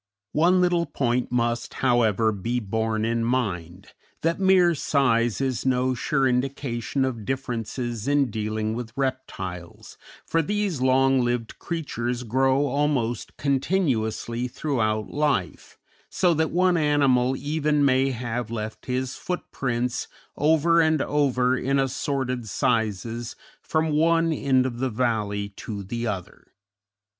One little point must, however, be borne in mind, that mere size is no sure indication of differences in dealing with reptiles, for these long lived creatures grow almost continuously throughout life, so that one animal even may have left his footprints over and over in assorted sizes from one end of the valley to the other.